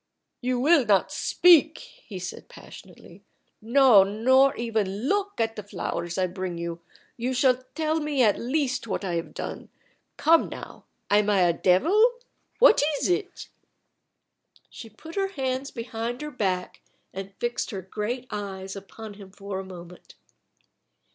"You will not speak," he said passionately. "No; nor even look at the flowers I bring you. You shall tell me at least what I have done. Come, now. Am I a devil? What is it?" She put her hands behind her back and fixed her great eyes upon him for a moment.